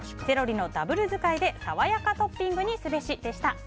セロリのダブル使いで爽やかトッピングにすべしでした。